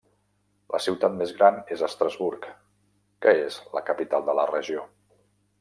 La ciutat més gran és Estrasburg que és la capital de la regió.